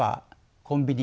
コンビニ